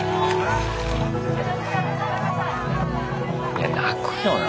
いや泣くよな